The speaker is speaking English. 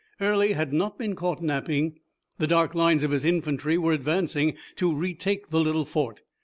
Early had not been caught napping. The dark lines of his infantry were advancing to retake the little fort.